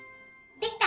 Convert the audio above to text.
できた！